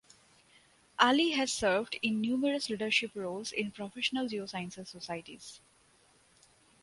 Ali has served in numerous leadership roles in professional geosciences societies.